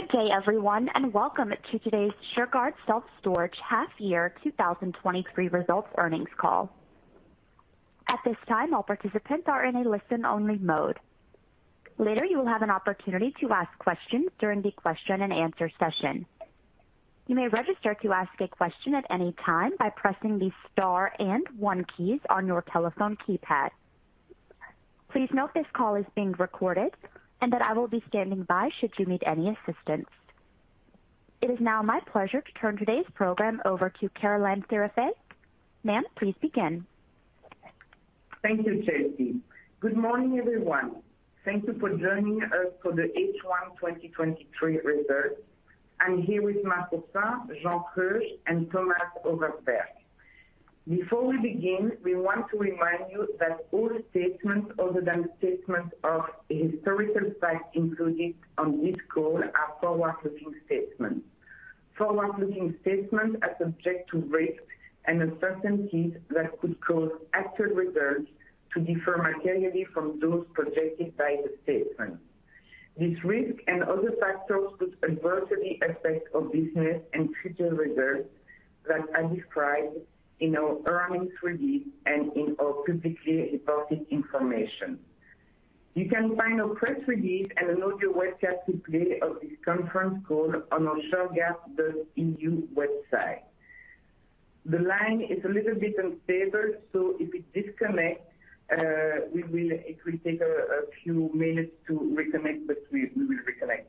Good day, everyone, and welcome to today's Shurgard Self Storage half year 2023 results earnings call. At this time, all participants are in a listen-only mode. Later, you will have an opportunity to ask questions during the question-and-answer session. You may register to ask a question at any time by pressing the star and one key on your telephone keypad. Please note this call is being recorded and that I will be standing by should you need any assistance. It is now my pleasure to turn today's program over to Caroline Thirifay. Ma'am, please begin. Thank you, Chelsea. Good morning, everyone. Thank you for joining us for the H1 2023 results. I'm here with Marc Oursin, Jean Kreusch, and Thomas Oversberg. Before we begin, we want to remind you that all statements other than statements of historical facts included on this call are forward-looking statements. Forward-looking statements are subject to risks and uncertainties that could cause actual results to differ materially from those projected by the statements. These risks and other factors could adversely affect our business and future results that are described in our earnings release and in our publicly reported information. You can find our press release and an audio webcast replay of this conference call on our shurgard.eu website. The line is a little bit unstable, so if we disconnect, it will take a few minutes to reconnect, but we will reconnect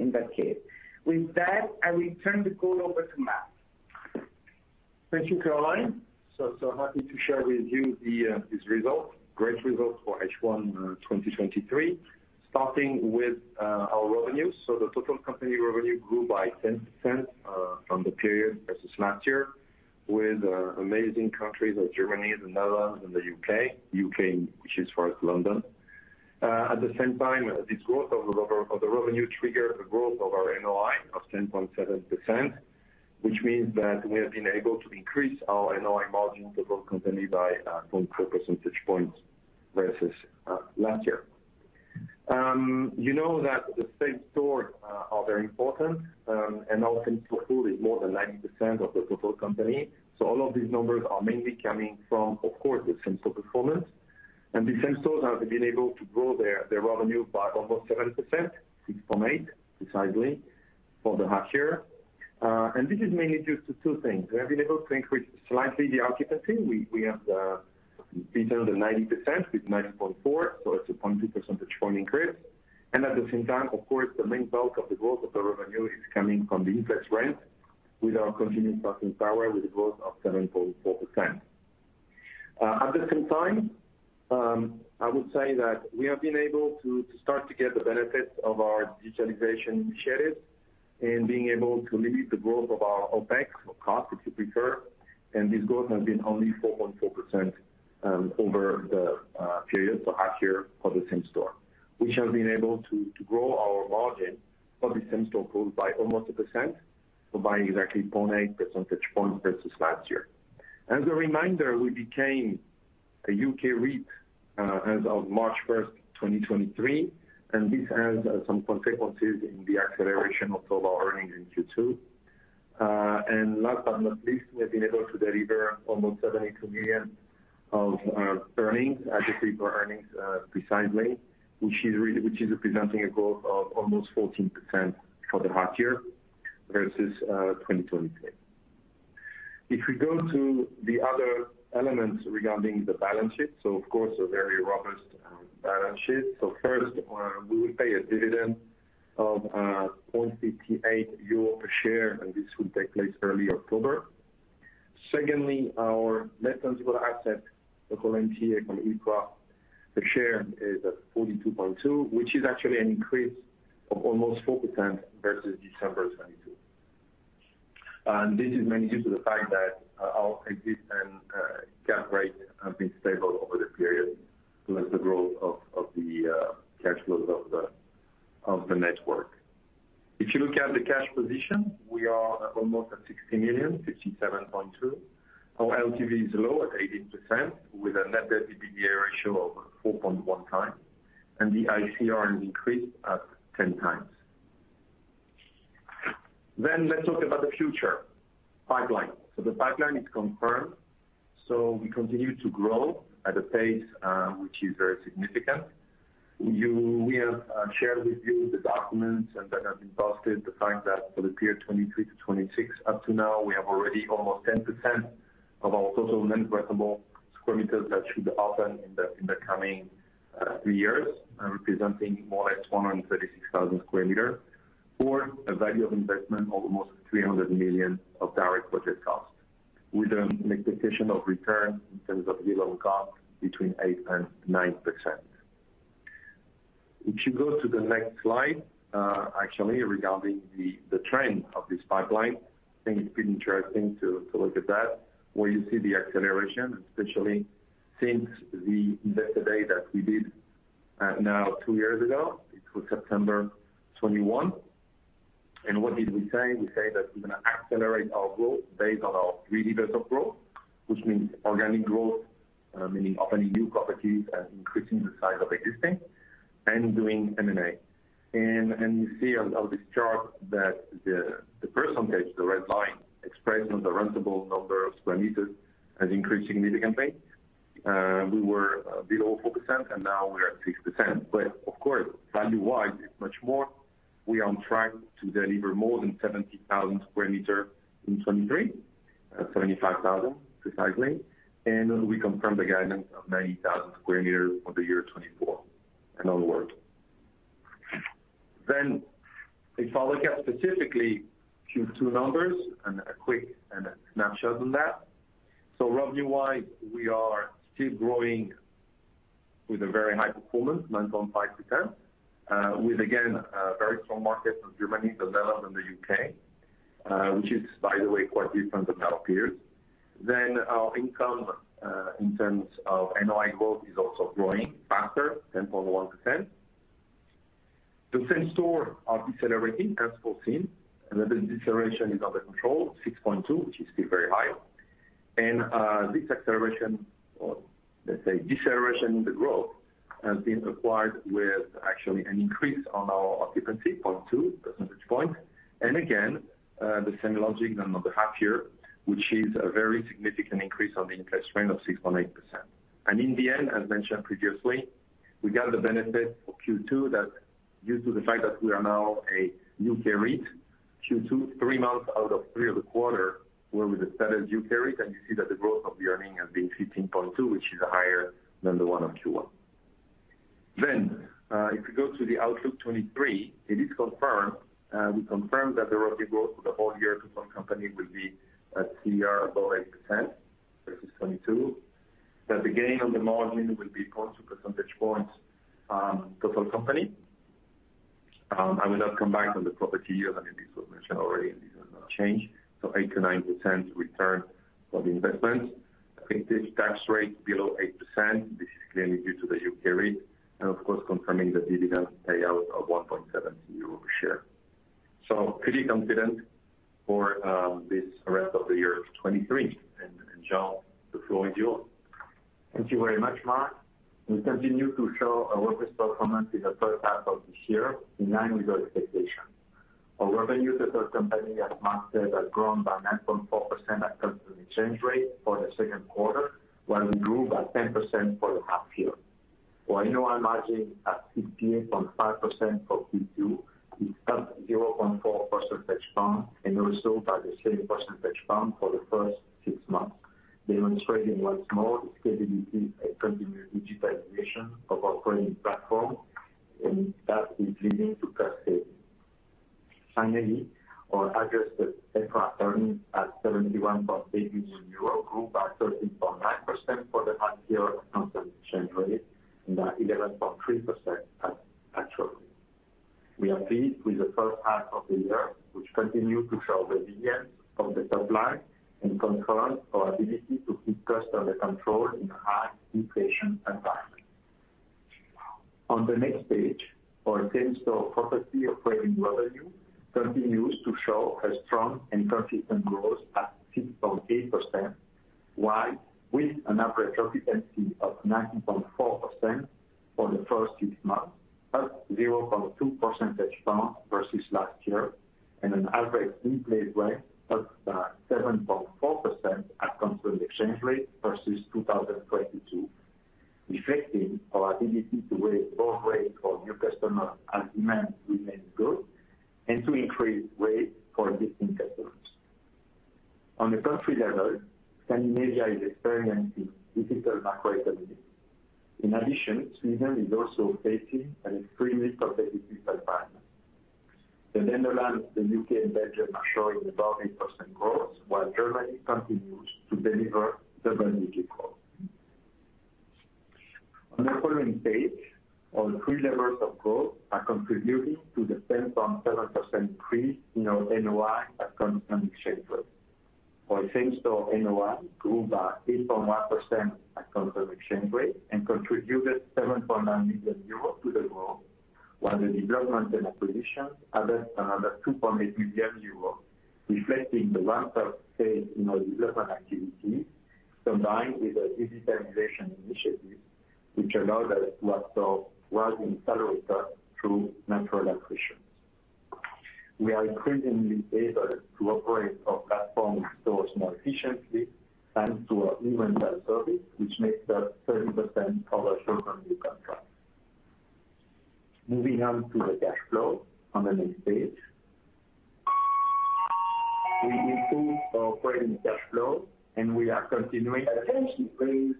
in that case. With that, I will turn the call over to Marc. Thank you, Caroline. So happy to share with you the these results. Great results for H1 2023, starting with our revenues. The total company revenue grew by 10% from the period versus last year, with amazing countries like Germany, the Netherlands, and the U.K. U.K., which is for London. At the same time, this growth of the of the revenue triggered a growth of our NOI of 10.7%, which means that we have been able to increase our NOI margin the growth company by 0.4 percentage points versus last year. You know that the same store are very important and often include more than 90% of the total company. All of these numbers are mainly coming from, of course, the same store performance. The same stores have been able to grow their, their revenue by almost 7%, 6.8%, precisely, for the half year. This is mainly due to two things. We have been able to increase slightly the occupancy. We, we have better than 90% with 90.4%, so it's a 0.2 percentage point increase. At the same time, of course, the main bulk of the growth of the revenue is coming from the interest rent, with our continued passing power, with a growth of 7.4%. At the same time, I would say that we have been able to, to start to get the benefits of our digitalization strategy in being able to limit the growth of our OpEx, or cost, if you prefer. This growth has been only 4.4% over the period, so half year for the same store. We have been able to, to grow our margin of the same store pool by almost 1%, so by exactly 0.8 percentage points versus last year. As a reminder, we became a U.K. REIT as of March 1st, 2023. This has some consequences in the acceleration of total earnings in Q2. Last but not least, we have been able to deliver almost 70 million of earnings, adjusted earnings, precisely, which is representing a growth of almost 14% for the half-year versus 2022. If we go to the other elements regarding the balance sheet, of course, a very robust balance sheet. First, we will pay a dividend of 0.58 euro per share, and this will take place early October. Secondly, our net tangible assets, the current year on EPRA per share, is at 42.2, which is actually an increase of almost 4% versus December 2022. This is mainly due to the fact that our existing cap rate has been stable over the period, plus the growth of the cash flows of the network. If you look at the cash position, we are almost at 60 million, 67.2. Our LTV is low at 18%, with a net debt to EBITDA ratio of 4.1x, and the ICR increased at 10x. Let's talk about the future. Pipeline. The pipeline is confirmed, so we continue to grow at a pace, which is very significant. You-- We have shared with you the documents, and that have been posted, the fact that for the period 2023-2026, up to now, we have already almost 10% of our total non-rentable square meter that should open in the, in the coming three years, representing more like 136,000 sq m for a value of investment of almost 300 million of direct budget cost, with an expectation of return in terms of WACC between 8% and 9%. If you go to the next slide, actually, regarding the, the trend of this pipeline, I think it's pretty interesting to, to look at that, where you see the acceleration, especially since the investor day that we did two years ago. It was September 2021. What did we say? We said that we're going to accelerate our growth based on our three levers of growth, which means organic growth, meaning opening new properties and increasing the size of existing, and doing M&A. You see on, on this chart that the, the first percentage, the red line, expression of the rentable number of square meters has increased significantly. We were a bit over 4%, and now we are at 6%. Of course, value-wise, much more, we are on track to deliver more than 70,000 sq m in 2023, 75,000 precisely, and we confirm the guidance of 90,000 sq m for the year 2024 and onward. If I look at specifically Q2 numbers and a quick snapshot on that. Revenue-wise, we are still growing with a very high performance, 9.5%, with, again, a very strong market in Germany, the Netherlands, and the U.K., which is, by the way, quite different than that of peers. Our income, in terms of NOI growth, is also growing faster, 10.1%. The same store are decelerating, as foreseen, and the deceleration is under control, 6.2%, which is still very high. This acceleration or, let's say, deceleration in the growth, has been acquired with actually an increase on our occupancy, 0.2 percentage point. Again, the same logic than on the half year, which is a very significant increase on the interest rate of 6.8%. In the end, as mentioned previously, we got the benefit for Q2 that due to the fact that we are now a U.K. REIT, Q2, three months out of three of the quarter were with the standard U.K. REIT, and you see that the growth of the earning has been 15.2, which is higher than the one on Q1. If you go to the outlook 2023, it is confirmed, we confirmed that the revenue growth for the whole year total company will be CAGR above 8%, versus 2022. That the gain on the margin will be 0.2 percentage points, total company. I will not come back on the property yield, I mean, this was mentioned already, and this has not changed. 8%-9% return on investment. I think this tax rate below 8%, this is clearly due to the U.K. REIT, and of course, confirming the dividend payout of 1.7 euro per share. Pretty confident for this rest of the year of 2023. Jean, the floor is yours. Thank you very much, Marc. We continue to show our robust performance in the first half of this year, in line with our expectation. Our revenue, the third company, has mastered and grown by 9.4% at constant exchange rate for the second quarter, while we grew by 10% for the half year. Our NOI margin at 68.5% for Q2 is up 0.4 percentage points, and also by the same percentage point for the first six months, demonstrating once more the stability and continued digitization of operating platform, and that is leading to cost saving. Finally, our adjusted EBITDA earnings at EUR 71.8 million, grew by 13.9% for the half year constant exchange rate, and by 11.3% at actuals. We are pleased with the first half of the year, which continue to show the resilience of the top line and confirm our ability to keep cost under control in a high inflation environment. On the next page, our same-store property operating revenue continues to show a strong and consistent growth at 6.8%, while with an average occupancy of 90.4% for the first six months, up 0.2 percentage points versus last year, and an average increase rate of 7.4% at constant exchange rate versus 2022, reflecting our ability to raise both rates for new customers as demand remains good and to increase rates for existing customers. On the country level, Scandinavia is experiencing difficult macroeconomy. In addition, Sweden is also facing an extremely competitive digital partner. The Netherlands, the U.K., and Belgium are showing about 8% growth, while Germany continues to deliver double-digit growth. On the following page, our three levels of growth are contributing to the 10.7% increase in our NOI at constant exchange rate. Our same-store NOI grew by 8.1% at constant exchange rate and contributed 7.9 million euros to the growth, while the development and acquisition added another 2.8 million euros, reflecting the ramp-up stage in our development activity, combined with a digitalization initiative, which allowed us to absorb rising salary costs through natural attrition. We are increasingly able to operate our platform stores more efficiently, thanks to our e-rental service, which makes up 30% of our total new contract. Moving on to the cash flow on the next page. We improved our operating cash flow. We are continuing- Attention, please.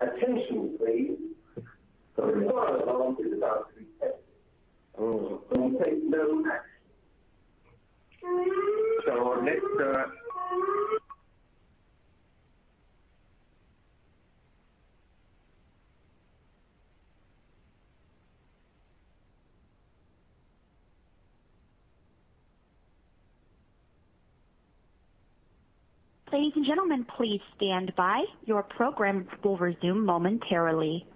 Attention, please. The fire alarm is about to be tested. Do not take no action. Our next. Ladies and gentlemen, please stand by. Your program will resume momentarily.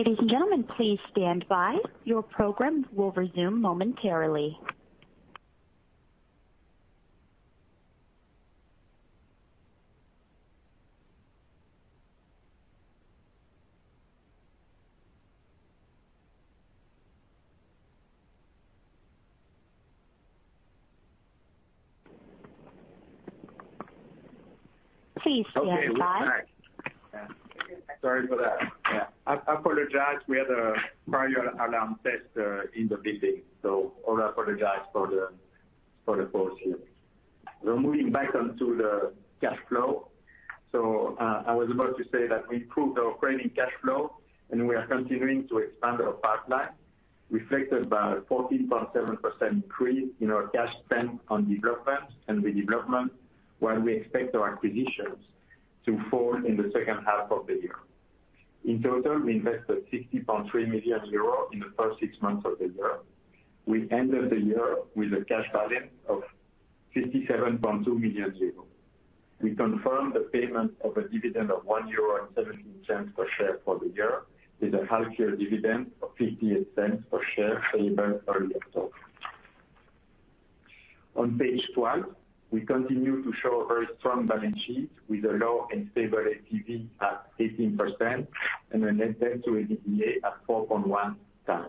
Ladies and gentlemen, please stand by. Your program will resume momentarily. Please stand by. Okay, we're back. Sorry for that. Yeah, I apologize. We had a fire alarm test in the building, so I apologize for the pause here. Moving back onto the cash flow. I was about to say that we improved our operating cash flow, and we are continuing to expand our pipeline, reflected by a 14.7% increase in our cash spend on development and redevelopment, while we expect our acquisitions to fall in the second half of the year. In total, we invested 60.3 million euros in the first 6 months of the year. We ended the year with a cash balance of 57.2 million euros. We confirmed the payment of a dividend of 1.17 euro per share for the year, with a half-year dividend of 0.58 per share paid earlier. On page 12, we continue to show a very strong balance sheet with a low and stable LTV at 18% and a net debt to EBITDA at 4.1x.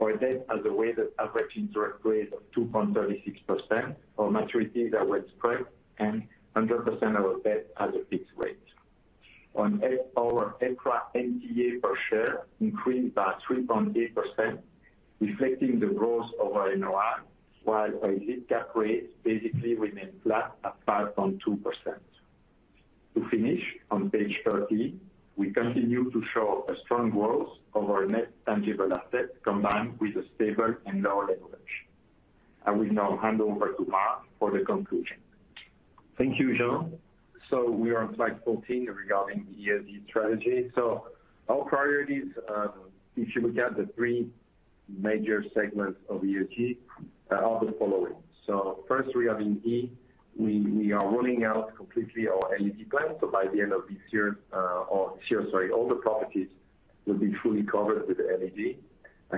Our debt has a weighted average interest rate of 2.36% for maturities that were spread, and 100% of our debt has a fixed rate. On our EPRA NTA per share increased by 3.8%, reflecting the growth of our NOI, while our Exit cap rate basically remained flat at 5.2%. To finish, on page 13, we continue to show a strong growth of our net tangible assets, combined with a stable and low leverage. I will now hand over to Marc for the conclusion. Thank you, Jean. We are on slide 14 regarding ESG strategy. Our priorities, if you look at the three major segments of ESG, are the following. First, we have in E, we, we are rolling out completely our LED plan. By the end of this year, or year, sorry, all the properties will be fully covered with LED.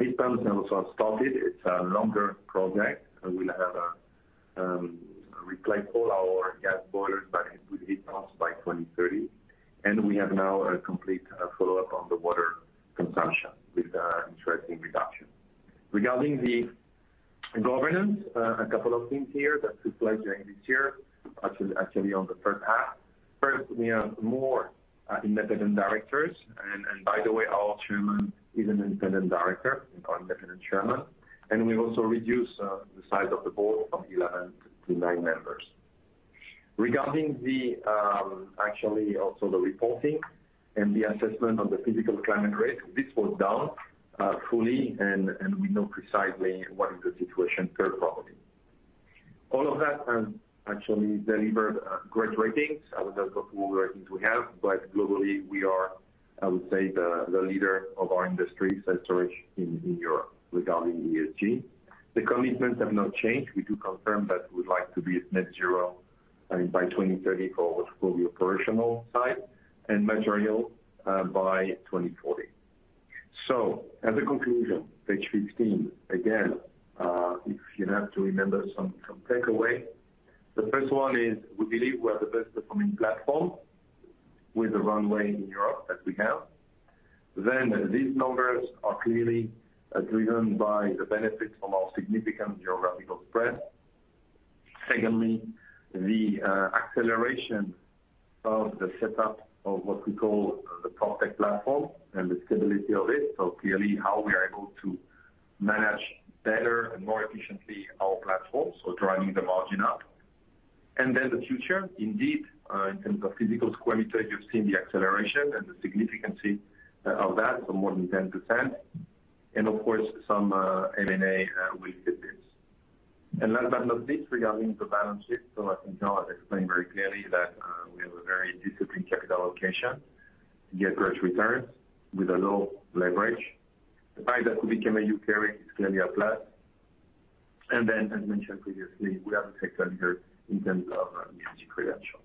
Heat pumps have also started. It's a longer project, and we'll have replaced all our gas boilers by, with heat pumps by 2030. We have now a complete follow-up on the water consumption with an interesting reduction. Regarding the governance, a couple of things here that we pledge during this year, actually, actually on the first half. First, we have more independent directors, and by the way, our chairman is an independent director, our independent chairman. We've also reduced the size of the board from 11 to nine members. Regarding the, actually, also the reporting and the assessment of the physical climate risk, this was done fully, and we know precisely what is the situation per property. All of that has actually delivered great ratings. I will talk of ratings we have, globally, we are, I would say, the leader of our industry, Shurgard in Europe, regarding ESG. The commitments have not changed. We do confirm that we'd like to be at net zero by 2030 for the operational side and material by 2040. As a conclusion, page 15, again, if you have to remember some takeaway, the first one is we believe we are the best performing platform with the runway in Europe that we have. These numbers are clearly driven by the benefits from our significant geographical spread. Secondly, the acceleration of the setup of what we call the PropTech platform and the stability of it. Clearly, how we are able to manage better and more efficiently our platform, so driving the margin up. The future, indeed, in terms of physical square meters, you've seen the acceleration and the significancy of that, so more than 10%. Of course, some M&A with this. Last but not least, regarding the balance sheet. As Jean explained very clearly that we have a very disciplined capital allocation to get great returns with a low leverage. The fact that we became a U.K. REIT is clearly applied. As mentioned previously, we are the tech leader in terms of ESG credential.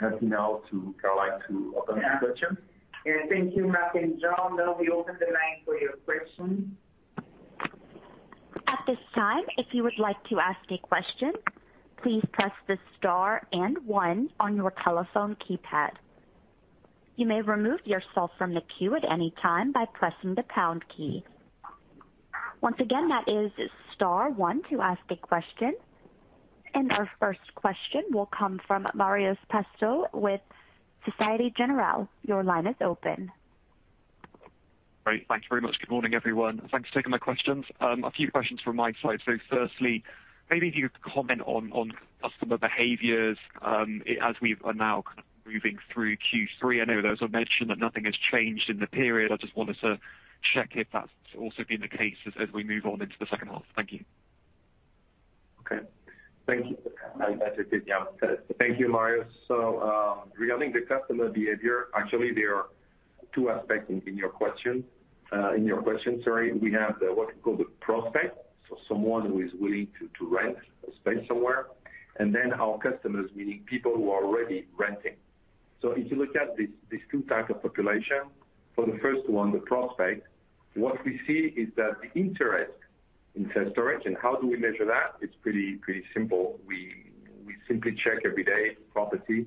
Happy now to go back to open questions. Yeah, thank you, Marc and Jean. Now we open the line for your questions. At this time, if you would like to ask a question, please press the star and one on your telephone keypad. You may remove yourself from the queue at any time by pressing the pound key. Once again, that is star one to ask a question. Our first question will come from Marios Pastou with Societe Generale. Your line is open. Great. Thank you very much. Good morning, everyone, and thanks for taking my questions. A few questions from my side. Firstly, maybe if you could comment on, on customer behaviors, as we are now kind of moving through Q3. I know there was a mention that nothing has changed in the period. I just wanted to check if that's also been the case as, as we move on into the second half. Thank you. Okay. Thank you. Thank you, Marios Pastou. Regarding the customer behavior, actually, they are two aspects in, in your question. In your question, sorry, we have the, what we call the prospect, so someone who is willing to, to rent a space somewhere, and then our customers, meaning people who are already renting. If you look at these, these two types of population, for the first one, the prospect, what we see is that the interest in self-storage, and how do we measure that? It's pretty, pretty simple. We, we simply check every day property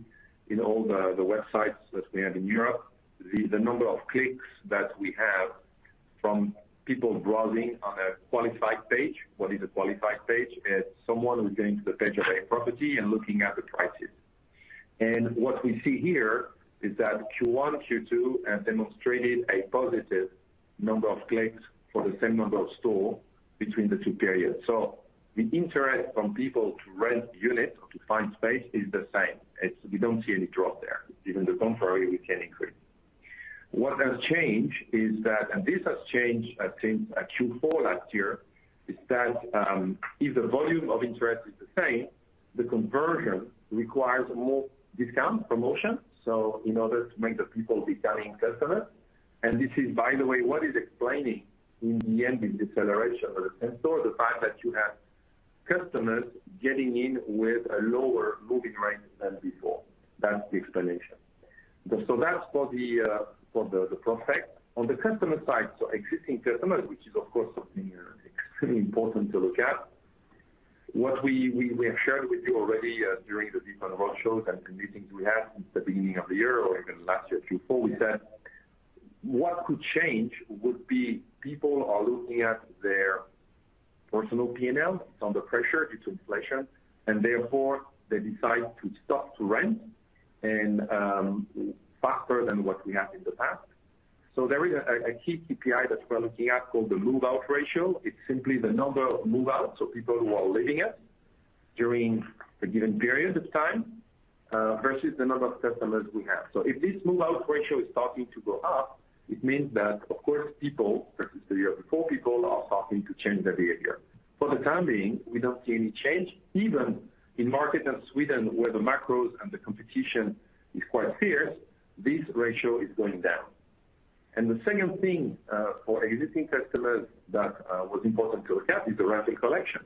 in all the, the websites that we have in Europe. The, the number of clicks that we have from people browsing on a qualified page. What is a qualified page? It's someone who is going to the page of a property and looking at the prices. What we see here is that Q1, Q2 have demonstrated a positive number of clicks for the same number of store between the two periods. The interest from people to rent units or to find space is the same. We don't see any drop there, even the contrary, we can increase. What has changed is that, and this has changed, I think, at Q4 last year, is that, if the volume of interest is the same, the conversion requires more discount, promotion, so in order to make the people becoming customers. This is, by the way, what is explaining in the end, the deceleration of the store, the fact that you have customers getting in with a lower moving rate than before. That's the explanation. That's for the, for the, the prospect. On the customer side, existing customers, which is, of course, something extremely important to look at. What we, we, we have shared with you already, during the different roadshows and meetings we had since the beginning of the year or even last year, Q4, is that what could change would be people are looking at their personal P&L. It's under pressure due to inflation, therefore, they decide to stop to rent and faster than what we have in the past. There is a, a key KPI that we're looking at called the move-out ratio. It's simply the number of move-outs, so people who are leaving us during a given period of time, versus the number of customers we have. If this move-out ratio is starting to go up, it means that, of course, people versus the year before, people are starting to change their behavior. For the time being, we don't see any change. Even in markets like Sweden, where the macros and the competition is quite fierce, this ratio is going down. The second thing for existing customers that was important to look at is the rental collection.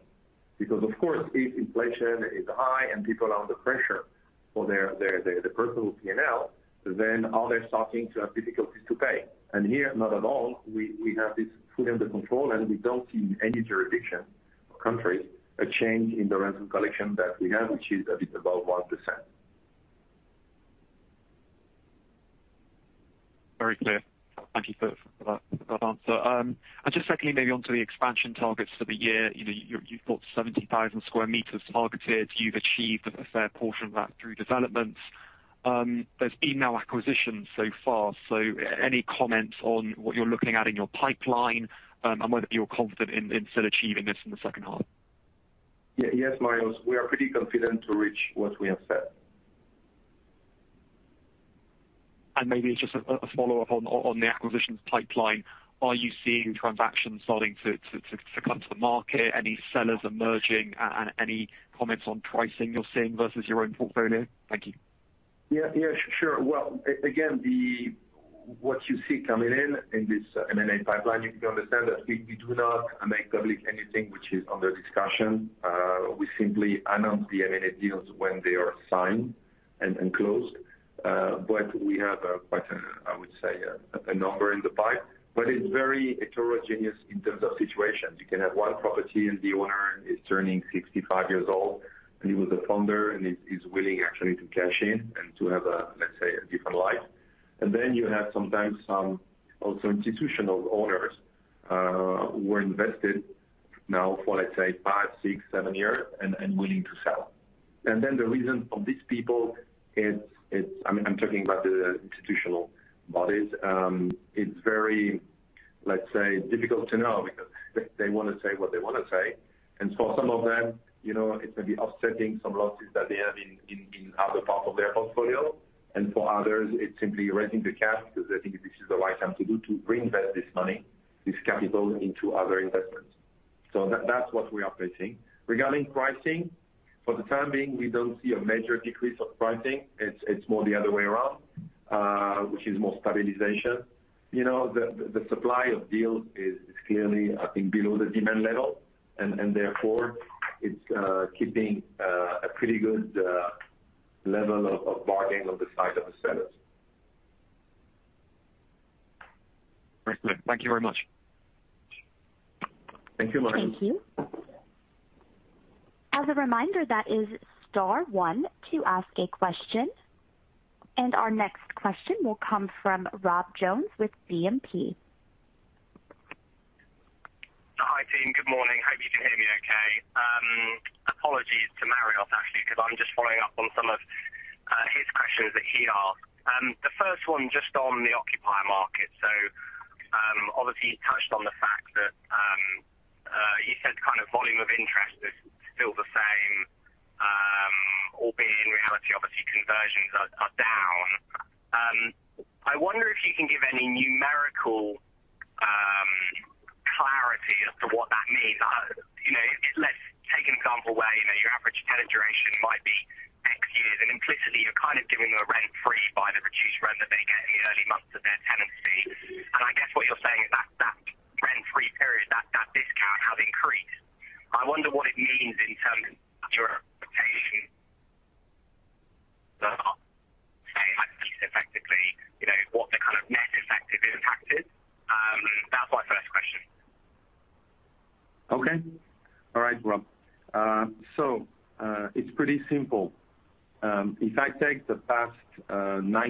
Of course, if inflation is high and people are under pressure for their, their, their personal P&L, then are they starting to have difficulties to pay? Here, not at all. We have this fully under control, and we don't see in any jurisdiction or countries, a change in the rental collection that we have, which is a bit above 1%. Very clear. Thank you for, for that, for that answer. Just secondly, maybe onto the expansion targets for the year. You know, you, you've got 70,000 square meters targeted. You've achieved a fair portion of that through developments. There's been no acquisitions so far, so any comments on what you're looking at in your pipeline, and whether you're confident in, in sort of achieving this in the second half? Yes, Marios, we are pretty confident to reach what we have said. Maybe just a follow-up on the acquisitions pipeline. Are you seeing transactions starting to come to the market? Any sellers emerging, and any comments on pricing you're seeing versus your own portfolio? Thank you. Yeah, yeah, sure. Well, again, the... What you see coming in, in this M&A pipeline, you can understand that we, we do not make public anything which is under discussion. We simply announce the M&A deals when they are signed and, and closed. We have quite a, I would say, a, a number in the pipe, but it's very heterogeneous in terms of situations. You can have one property, and the owner is turning 65 years old, and he was the founder and is, is willing actually to cash in and to have a, let's say, a different life. You have sometimes some also institutional owners, who are invested now for, let's say, five, six, seven years and, and willing to sell. The reason for these people, it's, it's, I mean, I'm talking about the institutional bodies. It's very, let's say, difficult to know because they, they wanna say what they wanna say. For some of them, you know, it may be offsetting some losses that they have in, in, in other parts of their portfolio. For others, it's simply raising the cash because they think this is the right time to do, to reinvest this money, this capital, into other investments. That, that's what we are facing. Regarding pricing, for the time being, we don't see a major decrease of pricing. It's, it's more the other way around, which is more stabilization. You know, the, the supply of deals is clearly, I think, below the demand level, and, and therefore, it's keeping a pretty good level of bargaining on the side of the sellers. Excellent. Thank you very much. Thank you, Marios. Thank you. As a reminder, that is star one to ask a question. Our next question will come from Rob Jones with BNP. Hi, team. Good morning. Hope you can hear me okay. Apologies to Marios, actually, because I'm just following up on some of his questions that he asked. The first one just on the occupier market. Obviously, you touched on the fact that you said kind of volume of interest is still the same, or being in reality, obviously, conversions are down. I wonder if you can give any new-...implicitly, you're kind of giving them a rent-free by the reduced rent that they get in the early months of their tenancy.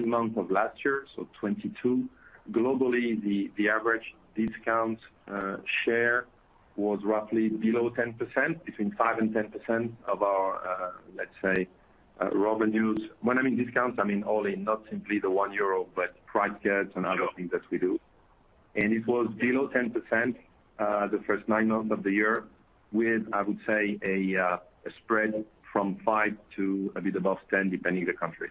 I guess what you're saying is that, that rent-free period, that, that discount has increased. I wonder what it means in terms of your rotation, effectively, you know, what the kind of net effective impact is. That was my first question. Okay. All right, Rob. It's pretty simple. If I take the past nine months of last year, 2022, globally, the average discount share was roughly below 10%, between 5% and 10% of our, let's say, revenues. When I mean discounts, I mean all in, not simply the 1 euro, but price cuts and other things that we do. It was below 10% the first nine months of the year, with, I would say, a spread from five to a bit above 10, depending on the country.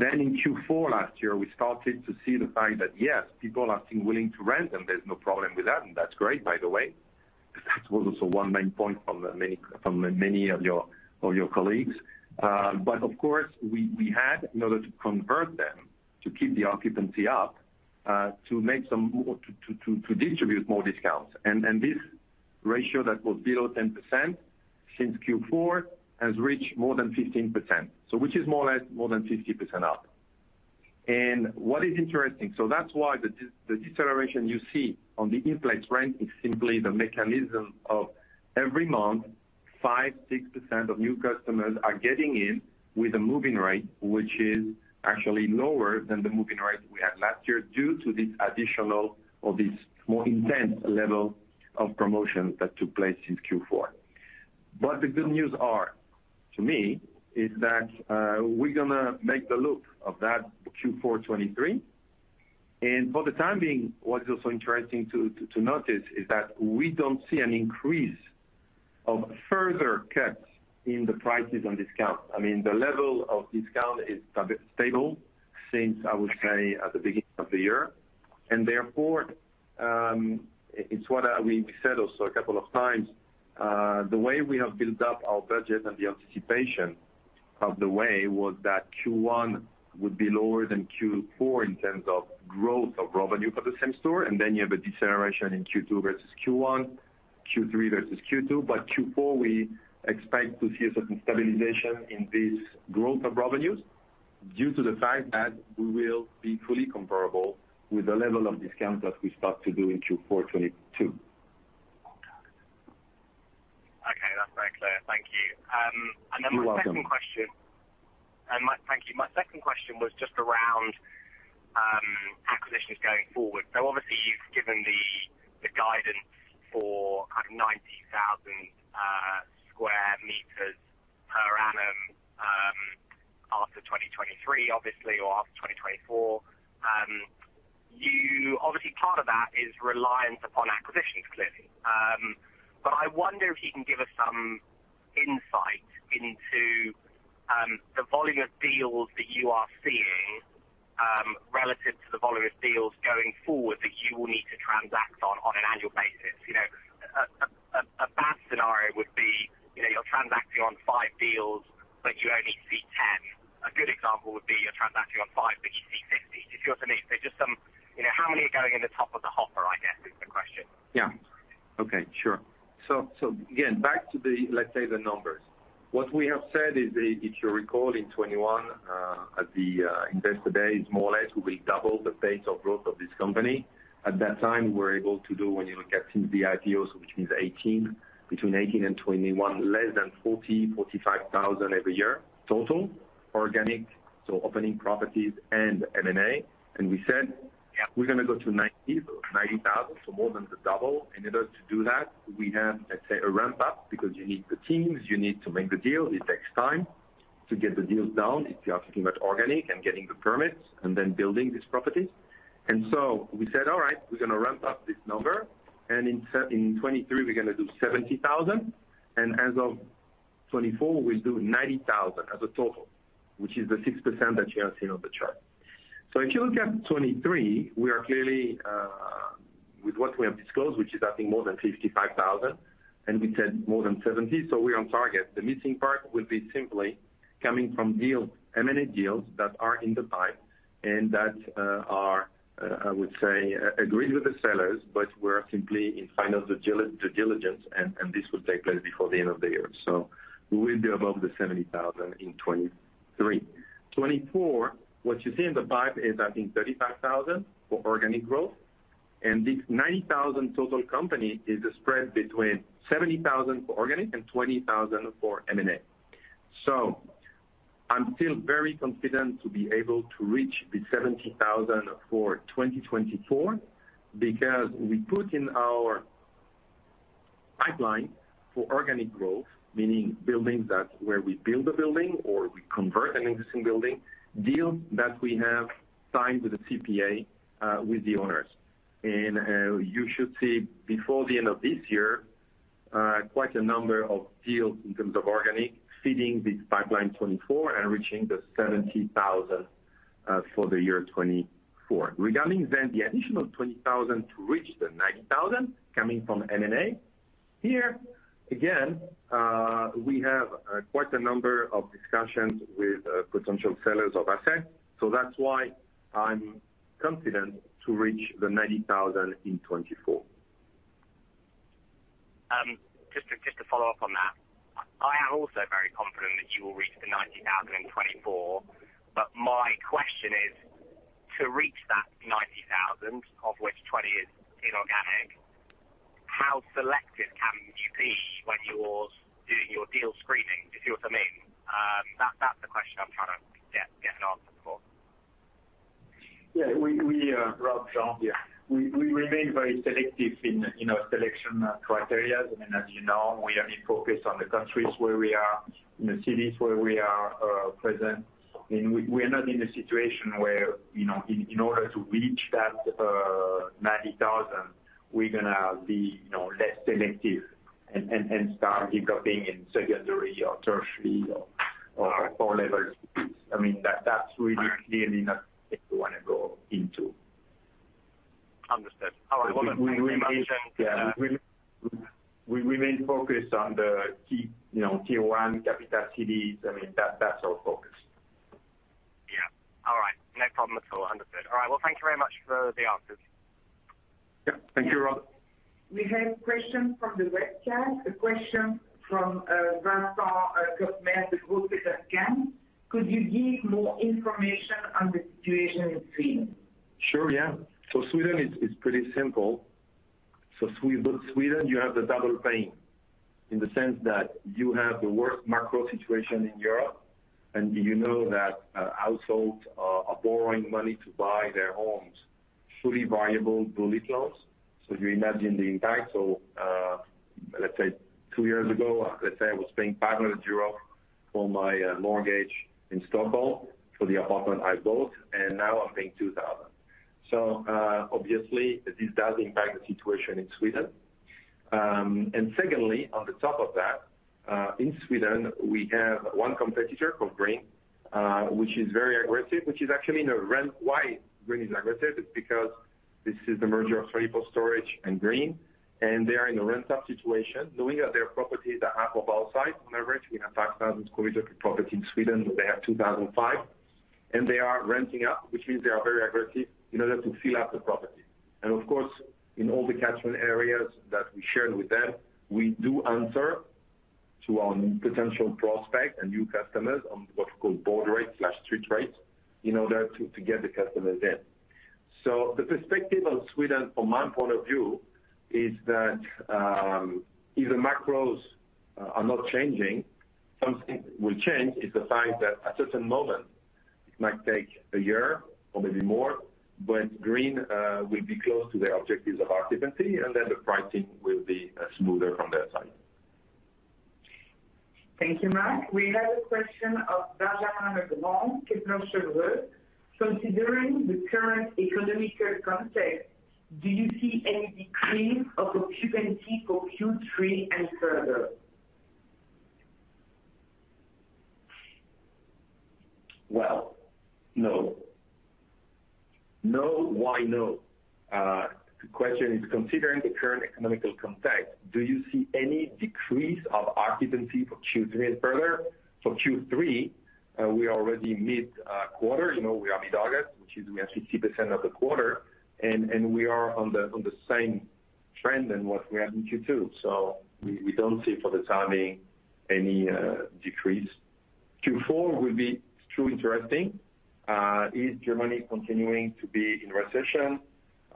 In Q4 last year, we started to see the fact that, yes, people are still willing to rent, and there's no problem with that, and that's great, by the way. That was also one main point from the many, from many of your, of your colleagues. Of course, we, we had, in order to convert them, to keep the occupancy up, to distribute more discounts. This ratio that was below 10% since Q4 has reached more than 15%, so which is more or less more than 50% up. What is interesting? That's why the deceleration you see on the in-place rent is simply the mechanism of every month, 5%, 6% of new customers are getting in with a moving rate, which is actually lower than the moving rate we had last year due to this additional or this more intense level of promotion that took place in Q4. The good news are, to me, is that, we're gonna make the look of that Q4 2023. For the time being, what is also interesting to notice is that we don't see an increase of further cuts in the prices on discount. I mean, the level of discount is stable since, I would say, at the beginning of the year, and therefore, it's what we said also a couple of times, the way we have built up our budget and the anticipation of the way was that Q1 would be lower than Q4 in terms of growth of revenue for the same store, and then you have a deceleration in Q2 versus Q1, Q3 versus Q2. Q4, we expect to see a certain stabilization in this growth of revenues due to the fact that we will be fully comparable with the level of discounts that we start to do in Q4 2022. Okay, that's very clear. Thank you. You're welcome. My second question, thank you. My second question was just around acquisitions going forward. Obviously, you've given the, the guidance for, like, 90,000 square meters per annum after 2023, obviously, or after 2024. Obviously, part of that is reliant upon acquisitions, clearly. But I wonder if you can give us some insight into the volume of deals that you are seeing relative to the volume of deals going forward that you will need to transact on, on an annual basis. You know, a bad scenario would be, you know, you're transacting on five deals, but you only see 10. A good example would be you're transacting on five, but you see 50. If you want to make just some... You know, how many are going in the top of the hopper, I guess, is the question. Yeah. Okay, sure. So again, back to the, let's say, the numbers. What we have said is if you recall in 2021, at the investor day, it's more or less we doubled the pace of growth of this company. At that time, we were able to do, when you look at the IPOs, which means 2018, between 2018 and 2021, less than 40,000-45,000 every year, total, organic, so opening properties and M&A. We said- Yeah. we're gonna go to 90,000, so more than the double. In order to do that, we have, let's say, a ramp-up, because you need the teams, you need to make the deal. It takes time to get the deals down if you are talking about organic and getting the permits and then building these properties. So we said, "All right, we're gonna ramp up this number, and in 2023, we're gonna do 70,000, and as of 2024, we'll do 90,000 as a total, which is the 6% that you have seen on the chart." If you look at 2023, we are clearly with what we have disclosed, which is, I think, more than 55,000, and we said more than 70,000, so we're on target. The missing part will be simply coming from deals, M&A deals that are in the pipe and that are, I would say, agreed with the sellers, but we're simply in final digi- due diligence, and this will take place before the end of the year. We will be above the 70,000 in 2023. 2024, what you see in the pipe is, I think, 35,000 for organic growth, and this 90,000 total company is spread between 70,000 for organic and 20,000 for M&A. I'm still very confident to be able to reach the 70,000 for 2024 because we put in our pipeline for organic growth, meaning buildings where we build a building or we convert an existing building, deals that we have signed with the CPA with the owners. You should see before the end of this year, quite a number of deals in terms of organic feeding this pipeline 2024 and reaching the 70,000 for the year 2024. Regarding then the additional 20,000 to reach the 90,000 coming from M&A. Again, we have quite a number of discussions with potential sellers of assets, so that's why I'm confident to reach the 90,000 in 2024. just to, just to follow up on that, I am also very confident that you will reach the 90,000 in 2024. My question is, to reach that 90,000, of which 20 is inorganic, how selective can you be when you're doing your deal screening, if you know what I mean? that, that's the question I'm trying to get, get an answer for. Yeah, we, we, Rob, Jean, yeah. We, we remain very selective in, you know, selection, criteria. I mean, as you know, we have been focused on the countries where we are, in the cities where we are, present. We, we are not in a situation where, you know, in, in order to reach that, 90,000, we're gonna be, you know, less selective and, and, and start hiccupping in secondary or tertiary or, or four levels. I mean, that, that's really clearly not where we wanna go into. Understood. We, yeah, we remain focused on the key, you know, tier one capital cities. I mean, that's our focus. Yeah. All right. No problem at all. Understood. All right, well, thank you very much for the answers. Yeah. Thank you, Rob. We have a question from the webcast, a question from Vincent, Could you give more information on the situation in Sweden? Sure, yeah. Sweden is, is pretty simple. Sweden, you have the double pain, in the sense that you have the worst macro situation in Europe, and you know that households are, are borrowing money to buy their homes, fully variable bullet loans. You imagine the impact. Let's say two years ago, let's say I was paying 500 euro for my mortgage in Stockholm for the apartment I bought, and now I'm paying 2,000. Obviously, this does impact the situation in Sweden. Secondly, on the top of that, in Sweden, we have one competitor called Green, which is very aggressive, which is actually in a rent. Why Green is aggressive? It's because this is the merger of 24Storage and Green, and they are in a ramp-up situation, knowing that their properties are half of our site on average. We have 5,000 property in Sweden, they have 2,005, and they are renting up, which means they are very aggressive in order to fill up the property. Of course, in all the catchment areas that we shared with them, we do answer to our potential prospect and new customers on what we call board rate/street rate, in order to get the customers in. The perspective of Sweden from my point of view, is that if the macros are not changing, something will change. It's the fact that at a certain moment, it might take a year or maybe more, but Green, will be close to the objectives of our occupancy, and then the pricing will be smoother from their side. Thank you, Marc. We have a question of Benjamin Leblanc, Considering the current economic context, do you see any decrease of occupancy for Q3 and further? Well, no. No. Why no? The question is, considering the current economical context, do you see any decrease of occupancy for Q3 and further? Q3, we already mid quarter, you know, we are mid-August, which is we have 60% of the quarter, and, and we are on the, on the same trend than what we had in Q2. We, we don't see for the time being any decrease. Q4 will be too interesting. Is Germany continuing to be in recession?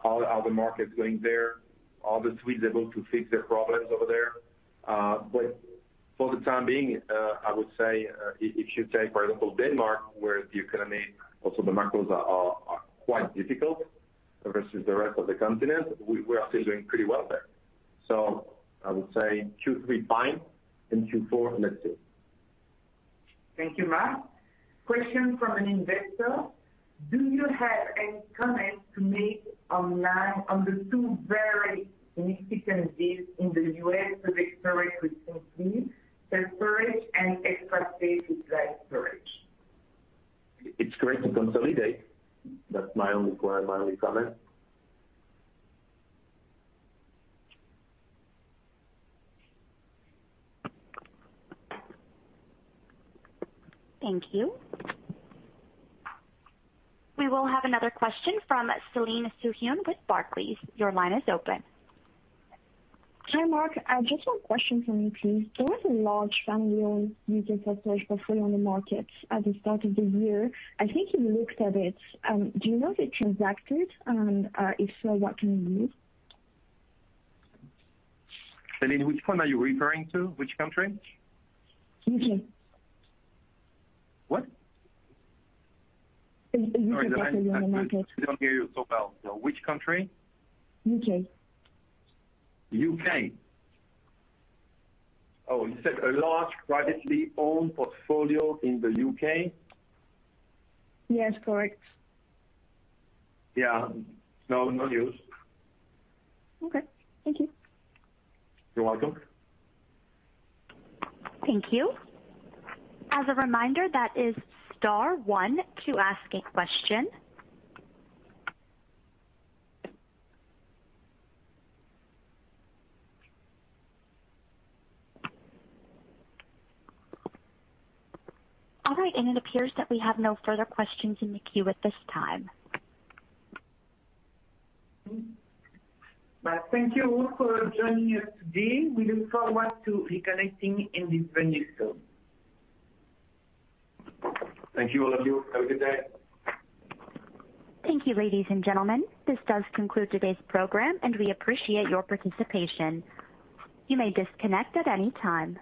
How are, how are the markets going there? Are the Swedes able to fix their problems over there? For the time being, I would say, if you take, for example, Denmark, where the economy, also the macros are, are, are quite difficult versus the rest of the continent, we're, we're still doing pretty well there. I would say Q3, fine, and Q4, let's see. Thank you, Marc. Question from an investor: Do you have any comments to make online on the 2 very significant deals in the U.S. with storage recently, self-storage and Extra Space with self-storage? It's great to consolidate. That's my only poi-- my only comment. Thank you. We will have another question from Celine Soo-Huynh with Barclays. Your line is open. Hi, Marc. I just have a question for you, please. There was a large family-owned U.K. portfolio on the market at the start of the year. I think you looked at it. Do you know if it transacted, and if so, what can you give? Celine, which one are you referring to? Which country? U.K. What? In the U.K. Sorry, I don't hear you so well. Which country? U.K. U.K.? Oh, you said a large, privately owned portfolio in the U.K.? Yes, correct. Yeah. No, no news. Okay. Thank you. You're welcome. Thank you. As a reminder, that is star one to ask a question. All right, it appears that we have no further questions in the queue at this time. Well, thank you all for joining us today. We look forward to reconnecting in the very soon. Thank you, all of you. Have a good day. Thank you, ladies and gentlemen. This does conclude today's program, and we appreciate your participation. You may disconnect at any time.